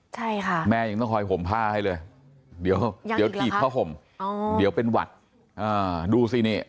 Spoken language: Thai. ใช่ค่ะแม่ยังต้องคอยห่มผ้าให้เลยเดี๋ยวถีบผ้าห่มเดี๋ยวเป็นหวัดดูสินี่